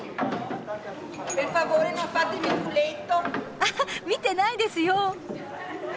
あはっ見てないですよ。